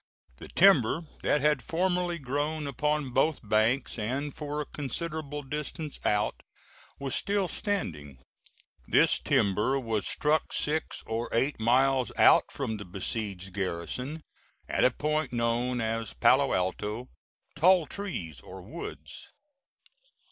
The timber that had formerly grown upon both banks, and for a considerable distance out, was still standing. This timber was struck six or eight miles out from the besieged garrison, at a point known as Palo Alto "Tall trees" or "woods."